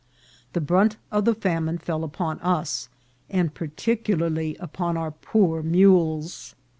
The brunt of the famine fell upon us, and particularly upon our poor mules.